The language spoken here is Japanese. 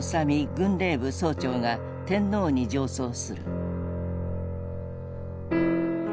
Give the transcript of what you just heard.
軍令部総長が天皇に上奏する。